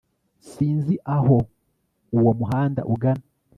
Sinzi aho uwo muhanda ugana